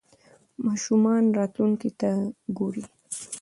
ماشومان راتلونکې ته ګوري.